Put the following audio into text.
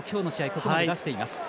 ここまで出しています。